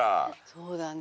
そうだね。